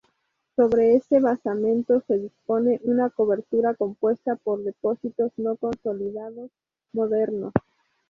Sobre este basamento se dispone una cobertura compuesta por depósitos no consolidados modernos.